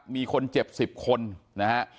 มีคนเจ็บ๑๐คนนะฮะ